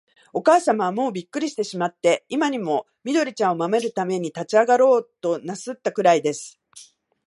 おかあさまは、もうびっくりしてしまって、今にも、緑ちゃんを守るために立ちあがろうとなすったくらいです。